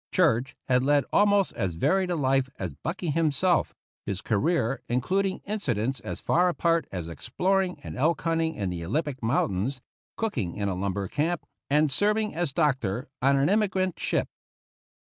Church had led almost as varied a life as Bucky himself, his 39 THE ROUGH RIDERS career including incidents as far apart as explor ing and elk hunting in the Olympic Mountains, cooking in a lumber camp, and serving as doctor on an emigrant ship.